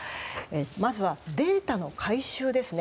まずは、データの回収ですね。